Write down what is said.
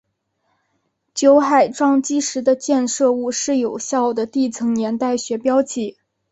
酒海撞击时的溅射物是有效的地层年代学标记。